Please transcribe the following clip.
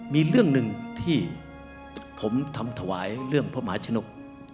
มีเรื่องหนึ่งที่ผมทำถวายเรื่องพระมหาชนก